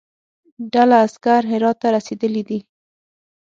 ډله عسکر هرات ته رسېدلی دي.